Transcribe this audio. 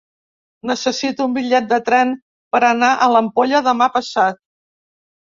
Necessito un bitllet de tren per anar a l'Ampolla demà passat.